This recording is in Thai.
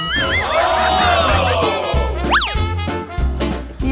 แม่เดิน๓วันก็ไปถึงแม่งุ่มสวนตัวดี